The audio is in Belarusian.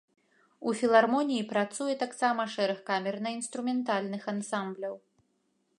У філармоніі працуе таксама шэраг камерна-інструментальных ансамбляў.